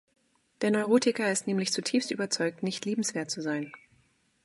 Der Neurotiker ist nämlich zutiefst überzeugt, nicht liebenswert zu sein.